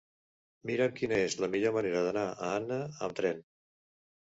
Mira'm quina és la millor manera d'anar a Anna amb tren.